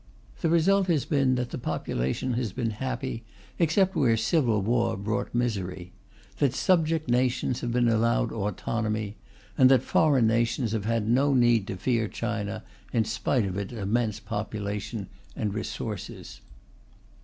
The result has been that the population has been happy except where civil war brought misery; that subject nations have been allowed autonomy; and that foreign nations have had no need to fear China, in spite of its immense population and resources.